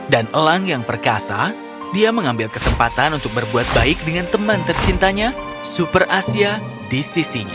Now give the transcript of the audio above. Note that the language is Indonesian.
dan elang yang perkasa dia mengambil kesempatan untuk berbuat baik dengan teman tercintanya super asia di sisinya